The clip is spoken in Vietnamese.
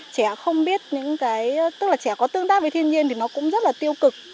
trẻ không biết những cái tức là trẻ có tương tác với thiên nhiên thì nó cũng rất là tiêu cực